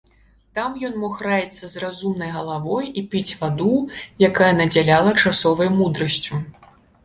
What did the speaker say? Там ён мог раіцца з разумнай галавой і піць ваду, якая надзяляла часовай мудрасцю.